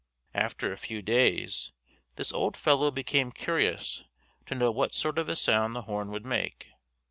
After a few days, this old fellow became curious to know what sort of a sound the horn would make.